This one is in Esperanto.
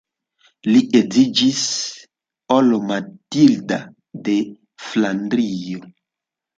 Li edziĝis al Matilda de Flandrio.